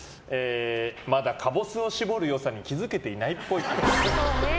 まだカボスを搾る良さに気づけていないっぽい。